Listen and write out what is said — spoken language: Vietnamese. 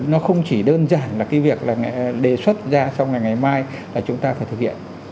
nó không chỉ đơn giản là cái việc là đề xuất ra trong ngày mai là chúng ta phải thực hiện